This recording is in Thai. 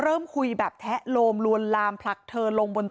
มีชายแปลกหน้า๓คนผ่านมาทำทีเป็นช่วยค่างทาง